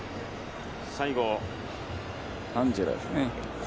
アンジェラですね。